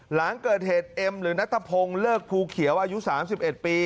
หลังเกิดเหตุเอ็มหรือนัทพงศ์เลิกภูเขียวอายุ๓๑ปี